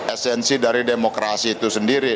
esensi dari demokrasi itu sendiri